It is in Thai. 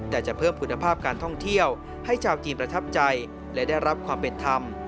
แต่จะเพิ่มคุณภาพการท่องเที่ยวให้ชาวจีนประทับใจและได้รับความเป็นธรรม